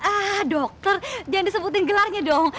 ah dokter jangan disebutin gelarnya dong